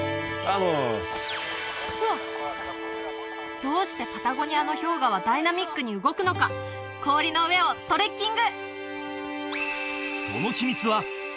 どうしてパタゴニアの氷河はダイナミックに動くのか氷の上をトレッキング！